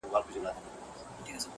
بل څوک خو بې خوښ سوی نه وي!!